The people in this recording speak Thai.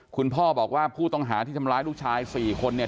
คุณพ่อบอกว่าผู้ต้องหาที่ทำร้ายลูกชาย๔คนเนี่ย